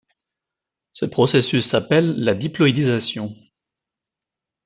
Ce processus s'appelle la diploïdisation.